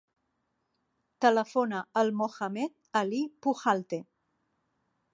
Telefona al Mohamed ali Pujalte.